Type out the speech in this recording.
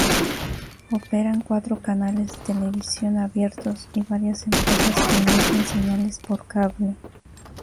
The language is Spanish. Operan cuatro canales de televisión abiertos y varias empresas que emiten señales por cable.